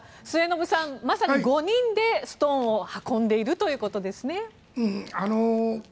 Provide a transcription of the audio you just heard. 末延さん、まさに５人でストーンを運んでいるということですね。